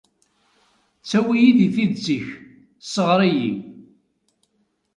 Ttawi-yi di tidet-ik, sɣer-iyi.